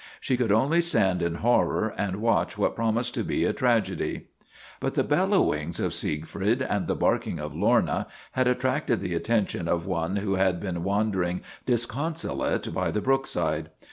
She could only stand in horror and watch what promised to be a tragedy. But the bellowings of Siegfried and the barking of Lorna had attracted the attention of one who had been wandering disconsolate by the brookside.